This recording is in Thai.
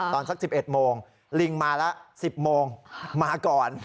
ตอนสักสิบเอ็ดโมงลิงมาแล้วสิบโมงมาก่อน